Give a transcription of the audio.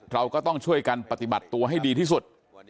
เราก็ต้องช่วยกันปฏิบัติตัวให้ดีที่สุด